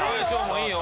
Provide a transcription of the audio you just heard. いいよ。